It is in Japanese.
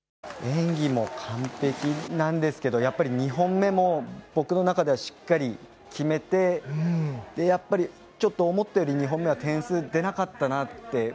演技も完璧なんですけどやっぱり２本目も僕の中ではしっかり決めて、やっぱりちょっと思ったより２本目は点数が出なかったなって